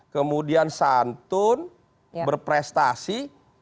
kemudian santun berprestasi